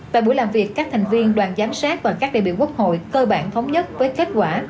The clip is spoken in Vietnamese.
tại buổi làm việc các thành viên đoàn giám sát và các đại biểu quốc hội cơ bản thống nhất với kết quả